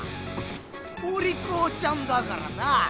「おりこうちゃん」だからな。